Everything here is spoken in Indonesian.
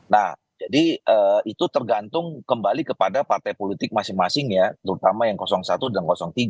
nah jadi itu tergantung kembali kepada partai politik masing masing ya terutama yang satu dan tiga